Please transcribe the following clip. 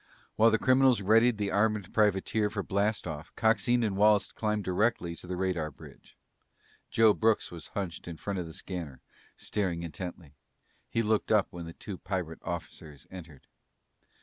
While the criminals readied the armed privateer for blast off, Coxine and Wallace climbed directly to the radar bridge. Joe Brooks was hunched in front of the scanner, staring intently. He looked up when the two pirate officers entered.